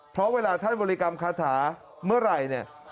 เพราะเวลาท่านบริกรรมคาถาเมื่อไหร่เนี่ย